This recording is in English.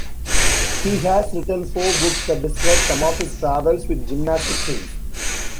He has written four books that describe some of his travels with gymnastic teams.